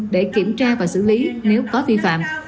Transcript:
để kiểm tra và xử lý nếu có vi phạm